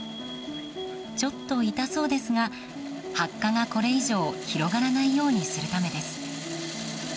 ちょっと痛そうですが白化がこれ以上広がらないようにするためです。